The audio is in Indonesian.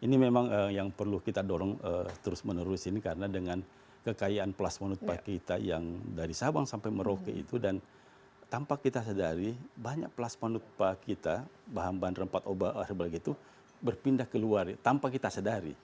ini memang yang perlu kita dorong terus menerus ini karena dengan kekayaan plasma nutpa kita yang dari sabang sampai merauke itu dan tanpa kita sadari banyak plasma nukpa kita bahan bahan rempat obat itu berpindah keluar tanpa kita sadari